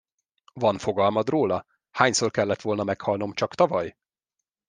Van fogalmad róla, hányszor kellett volna meghalnom csak tavaly?